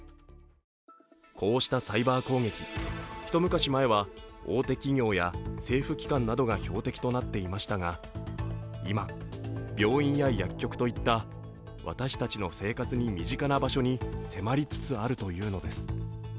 こうしたサイバー攻撃、一昔前は大手企業や政府機関などが標的となっていましたが、今、病院や薬局といった私たちの生活に身近な場所に迫りつつあるというのです。